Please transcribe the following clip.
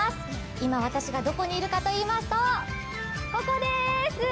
今、私がどこにいるかといいますと、ここです！